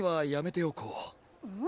うん？